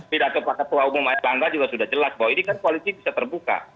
pada saat pak ketua umum p tiga juga sudah jelas bahwa ini kan kualisinya bisa terbuka